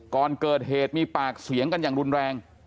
ก่อนเกิดเหตุมีปากเสียงกันอย่างรุนแรง